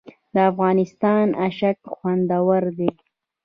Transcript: د افغانستان اشک خوندور دي